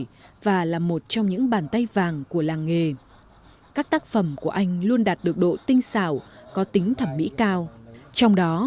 anh vũ văn oanh là một trong những người đã gắn bó với cái nghề tra truyền con núi này từ thủ nhỏ